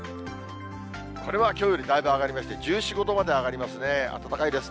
これはきょうよりだいぶ上がりまして、１４、５度まで上がりますね。